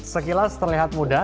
sekilas terlihat mudah